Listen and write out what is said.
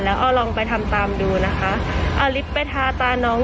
เอาลิปไปทาตาน้อง